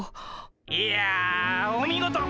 いやお見事！